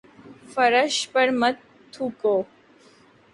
فرش پر مت تھوکو